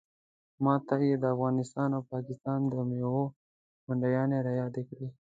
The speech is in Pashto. ماته یې د افغانستان او پاکستان د میوو منډیانې رایادې کړې.